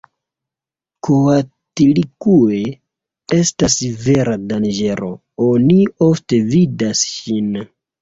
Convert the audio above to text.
Koatlikue estas vera danĝero, oni ofte vidas ŝin.